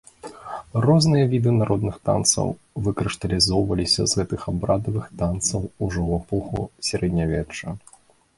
Розныя віды народных танцаў выкрышталізоўваліся з гэтых абрадавых танцаў ўжо ў эпоху сярэднявечча.